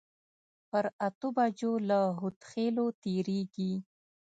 پر اتو بجو له هودخېلو تېرېږي.